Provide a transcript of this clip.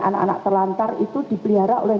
anak anak terlantar itu dipelihara oleh